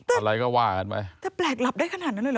อะไรก็ว่ากันไปแต่แปลกหลับได้ขนาดนั้นเลยเห